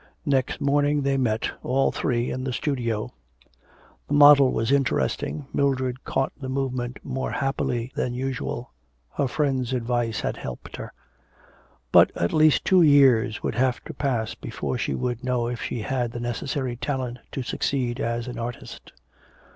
Next morning they met, all three, in the studio; the model was interesting, Mildred caught the movement more happily than usual; her friends' advice had helped her. But at least two years would have to pass before she would know if she had the necessary talent to succeed as an artist.